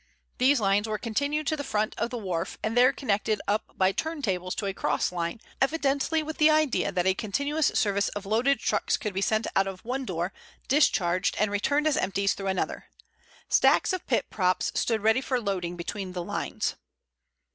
These lines were continued to the front of the wharf and there connected up by turn tables to a cross line, evidently with the idea that a continuous service of loaded trucks could be sent out of one door, discharged, and returned as empties through another. Stacks of pit props stood ready for loading between the lines.